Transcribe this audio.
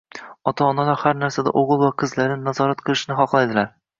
ota-onalar har narsada o‘g‘il yoki qizlarini nazorat qilish xohlaydilar.